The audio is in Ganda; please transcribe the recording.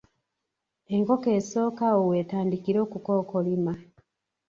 Enkoko esooka awo weetandikira okukookolima.